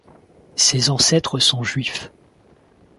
Ses ancêtres sont juifs.